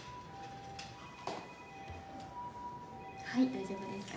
はい大丈夫です。